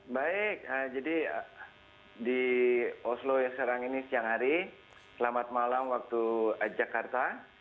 baik jadi di oslo yang serang ini siang hari selamat malam waktu jakarta